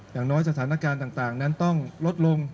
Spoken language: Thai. อย่างน้อยสถานการณ์ต่างนั้นต้องลดลง